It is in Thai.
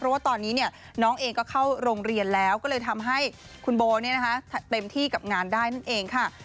เพราะว่าตอนนี้น้องเองก็เข้าโรงเรียนแล้วก็เลยทำให้คุณโบเต็มที่กับงานได้นั่นเองค่ะ